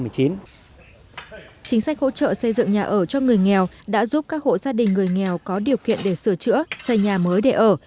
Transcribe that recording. chính sách hỗ trợ xây dựng nhà ở cho người nghèo đã giúp các hộ gia đình người nghèo có điều kiện để sửa chữa xây nhà mới để ở